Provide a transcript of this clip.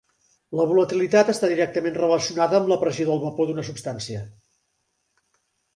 La volatilitat està directament relacionada amb la pressió del vapor d'una substància.